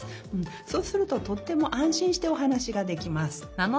そうするととってもあんしんしておはなしができます。